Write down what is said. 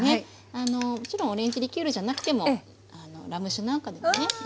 もちろんオレンジリキュールじゃなくてもラム酒なんかでもねよいですし。